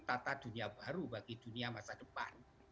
tata dunia baru bagi dunia masa depan